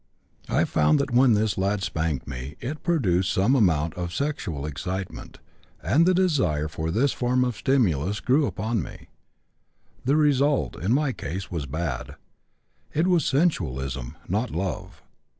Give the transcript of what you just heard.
I found that when this lad spanked me it produced some amount of sexual excitement, and the desire for this form of stimulus grew upon me. The result, in my case, was bad. It was sensualism, not love.